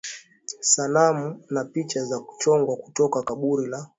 Sanamu na picha za kuchongwa kutoka Kaburi la